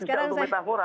itu untuk metafora